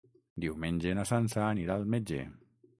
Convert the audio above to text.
Diumenge na Sança anirà al metge.